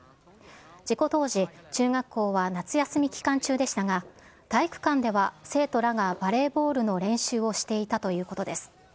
事故当時、中学校は夏休み期間中でしたが、体育館では生徒らがバレーボールの練習をしていたということです。